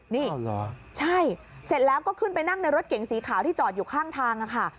นี่ใช่เสร็จแล้วก็ขึ้นไปนั่งในรถเก๋งสีขาวที่จอดอยู่ข้างทางค่ะ